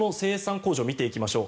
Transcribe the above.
工場を見ていきましょう。